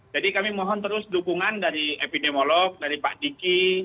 jadi kami mohon terus dukungan dari epidemiolog dari pak diki